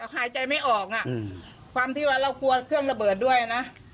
หายใจไม่ออกความที่ว่าเรากลัวเครื่องระเบิดด้วยนะ